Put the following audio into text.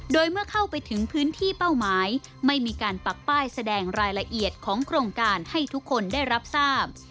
โดยเมื่อเข้าไปถึงพื้นที่เป้าหมายไม่มีการปักป้ายแสดงรายละเอียดของโครงการให้ทุกคนได้รับทราบ